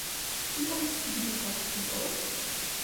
Kion signifas tio?